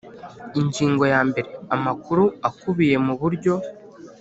Ingingo ya mbere Amakuru akubiye muburyo